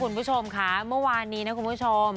คุณผู้ชมค่ะเมื่อวานนี้นะคุณผู้ชม